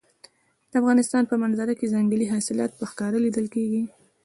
د افغانستان په منظره کې ځنګلي حاصلات په ښکاره لیدل کېږي.